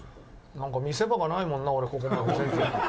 なんか見せ場がないもんな俺、ここまで。